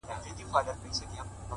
تر نگین لاندي پراته درته لوی غرونه-